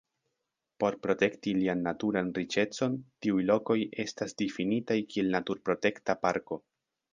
Por protekti ilian naturan riĉecon tiuj lokoj estas difinitaj kiel naturprotekta parko.